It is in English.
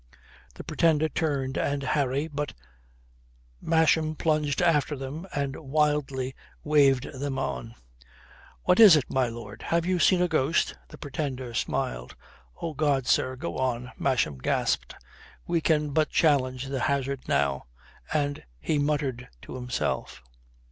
The Pretender turned and Harry, but Masham plunged after them and wildly waved them on. "What is it, my lord? Have you seen a ghost?" The Pretender smiled. "Oh God, sir, go on!" Masham gasped. "We can but challenge the hazard now," and he muttered to himself.